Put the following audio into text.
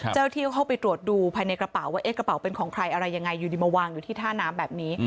เจ้าที่เข้าไปตรวจดูภายในกระเป๋าว่าเอ๊ะกระเป๋าเป็นของใครอะไรยังไงอยู่ดีมาวางอยู่ที่ท่าน้ำแบบนี้